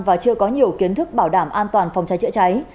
và chưa có nhiều kiến thức bảo đảm an toàn phòng cháy chữa cháy